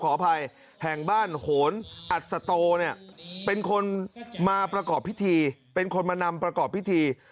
ขออภัยแห่งบ้านโหนอัศโตเนี่ยเป็นคนมาประกอบพิธีเป็นคนมานำประกอบพิธี